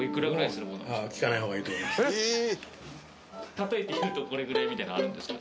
例えて言うとこれぐらいみたいなのあるんですか？